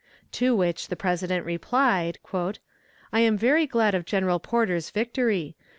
To which the President replied: "I am very glad of General Porter's victory.